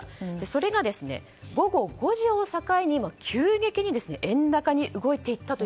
それが、午後５時を境に急激に円高に動いていったと。